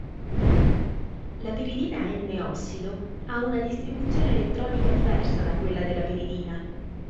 La piridina N-ossido ha una distribuzione elettronica diversa da quella della piridina.